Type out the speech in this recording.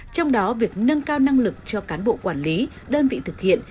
trong đó việc nâng cao năng lực cho cán bộ quản lý đơn vị thực hiện